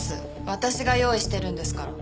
私が用意してるんですから。